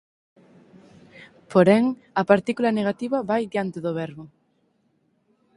Porén a partícula negativa vai diante do verbo.